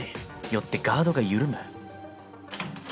よってガードが緩む。